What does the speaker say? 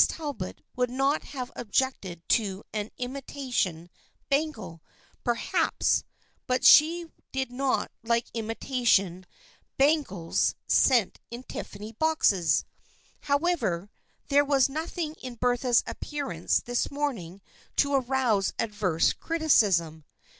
Talbot would not have objected to an imitation bangle, perhaps, but she did not like imitation ban 194 THE FRIENDSHIP OF ANNE gles sent in Tiffany boxes. However, there was nothing in Bertha's appearance this morning to arouse adverse criticism.